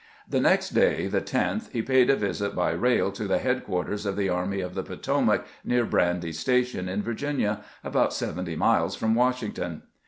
The next day, the 10th, he paid a visit by rail to the headquarters of the Army of the Potomac, near Brandy Station, in Virginia, about seventy miles from Washing ton.